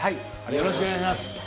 よろしくお願いします！